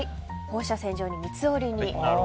放射線状に三つ折りに。